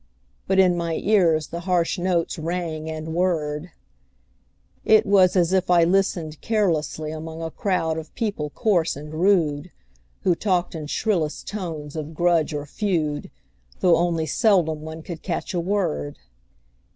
But in my ears the harsh notes rang and whirred; It was as if I listened carelessly Among a crowd of people coarse and rude, Who talked in shrillest tones of grudge or feud, Though only seldom one could catch a word.